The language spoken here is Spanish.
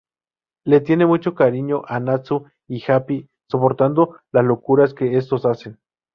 Le tiene mucho cariño a Natsu y Happy, soportando las locuras que estos hacen.